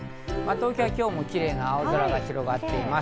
東京はきれいな青空が広がっています。